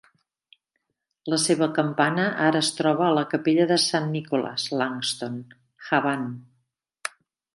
La seva campana ara es troba a la capella de Saint Nicholas, Langstone, Havant.